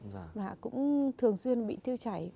và cũng thường xuyên bị thiêu chảy